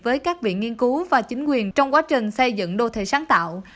với các viện nghiên cứu và chính quyền trong quá trình xây dựng đô thị sáng tạo